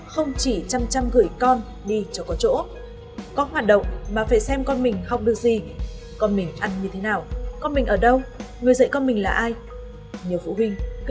trong khi con mình thì chưa đủ kỹ năng và năng lực